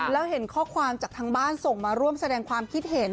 แล้วเห็นข้อความจากทางบ้านส่งมาร่วมแสดงความคิดเห็น